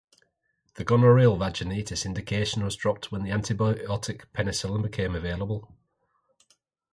The gonorrheal vaginitis indication was dropped when the antibiotic penicillin became available.